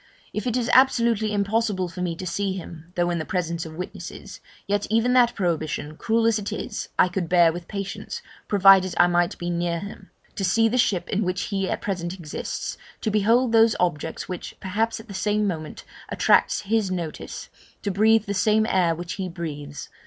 If it is absolutely impossible for me to see him (though in the presence of witnesses), yet even that prohibition, cruel as it is, I could bear with patience, provided I might be near him, to see the ship in which he at present exists to behold those objects, which, perhaps, at the same moment, attract his notice to breathe the same air which he breathes.